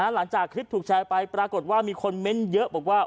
หลังจากคลิปถูกแชร์ไปปรากฏว่ามีคนเม้นต์เยอะบอกว่า